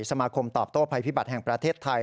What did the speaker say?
สมาคมตอบโต้ภัยพิบัติแห่งประเทศไทย